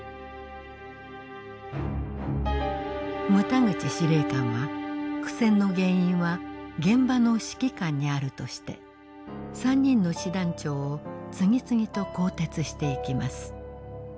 牟田口司令官は苦戦の原因は現場の指揮官にあるとして３人の師団長を次々と更迭していきます。